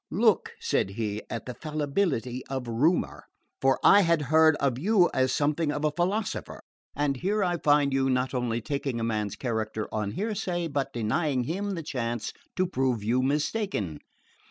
"Look," said he, "at the fallibility of rumour; for I had heard of you as something of a philosopher, and here I find you not only taking a man's character on hearsay but denying him the chance to prove you mistaken!"